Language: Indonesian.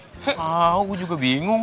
tau gue juga bingung